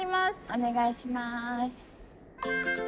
お願いします。